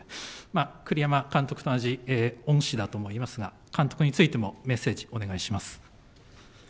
栗山監督と同じ恩師だと思いますが、監督についても、メッセージをお願いします。